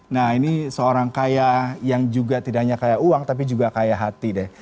nah ini seorang kaya yang juga tidak hanya kayak uang tapi juga kaya hati deh